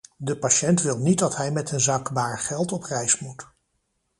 De patiënt wil niet dat hij met een zak baar geld op reis moet.